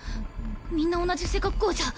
みんな同じ背格好じゃ。